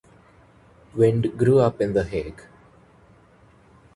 Wind grew up in The Hague.